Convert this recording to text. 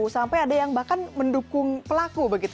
sampai ada yang bahkan mendukung pelaku begitu